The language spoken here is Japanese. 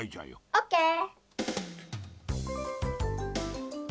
オッケー！